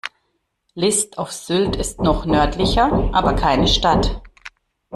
List auf Sylt ist noch nördlicher, aber keine Stadt.